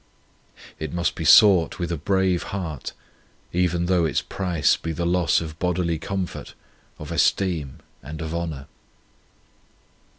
It must be sought with a brave heart, even though its price be the loss of bodily comfort, of esteem, and of honour.